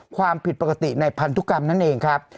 ความผิดปกติในพันธุกรรมนั่นเองครับ